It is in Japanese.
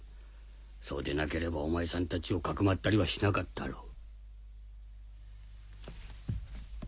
そうでなければお前さんたちをかくまったりはしなかったろう。